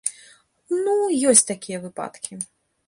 Ну, ёсць такія выпадкі.